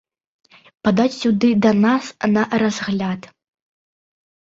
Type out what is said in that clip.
Падаць сюды да нас на разгляд.